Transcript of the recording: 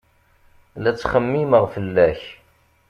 La ttxemmimeɣ fell-ak.